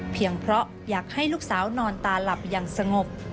เพราะอยากให้ลูกสาวนอนตาหลับอย่างสงบ